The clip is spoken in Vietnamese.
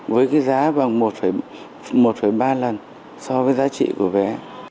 với cái giá vòng một ba lần so với giá trị của vé